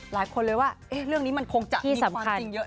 หลายคนเลยว่าเรื่องนี้มันคงจะมีความจริงเยอะแล้วล่ะ